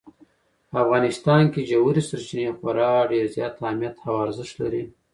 په افغانستان کې ژورې سرچینې خورا ډېر زیات اهمیت او ارزښت لري.